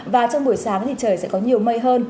và trong buổi sáng thì trời sẽ có nhiều mây hơn